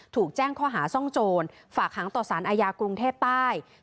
ถูกแจ้งข้อหาซ่องโจรฝากหางต่อสารอาญากรุงเทพใต้